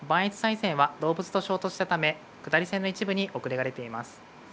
磐越西線は動物と衝突したため下り線の一部に遅れが出ています。